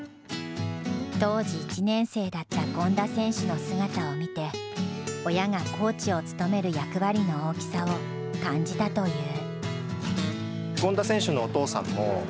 当時１年生だった権田選手の姿を見て親がコーチを務める役割の大きさを感じたという。